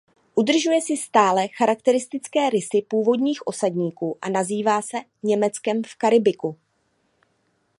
Udržuje si stále charakteristické rysy původních osadníků a nazývá se "Německem v Karibiku".